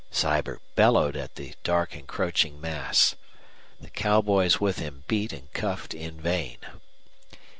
Sibert bellowed at the dark encroaching mass. The cowboys with him beat and cuffed in vain.